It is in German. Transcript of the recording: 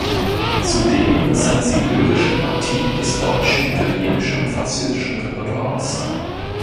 Zudem sang sie lyrische Partien des deutschen, italienischen und französischen Repertoires.